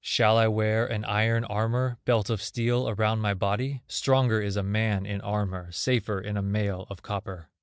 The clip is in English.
Shall I wear an iron armor, Belt of steel around my body? Stronger is a man in armor, Safer in a mail of copper."